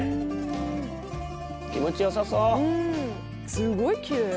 すごいきれい！